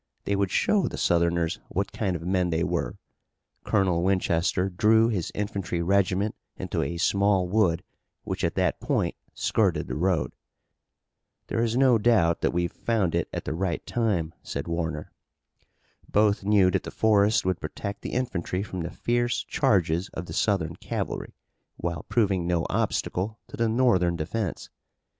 They would show the Southerners what kind of men they were. Colonel Winchester drew his infantry regiment into a small wood which at that point skirted the road. "There is no doubt that we've found it at the right time," said Warner. Both knew that the forest would protect the infantry from the fierce charges of the Southern cavalry, while proving no obstacle to the Northern defense.